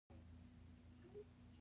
فلم د مبارزې لارې ښيي